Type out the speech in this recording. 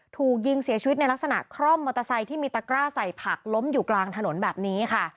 ถูกยิงเสียชีวิตในลักษณะคร่อมมอเตอร์ไซค์ที่มีตะกร้าใส่ผักล้มอยู่กลางถนนแบบนี้ค่ะ